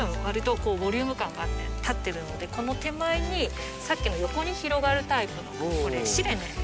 わりとボリューム感があって立ってるのでこの手前にさっきの横に広がるタイプのこれシレネ。